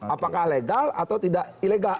apakah legal atau tidak ilegal